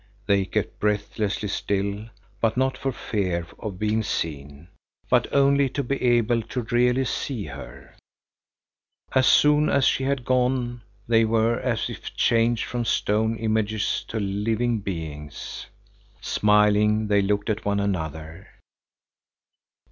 They kept breathlessly still, but not for fear of being seen, but only to be able to really see her. As soon as she had gone they were as if changed from stone images to living beings. Smiling, they looked at one another.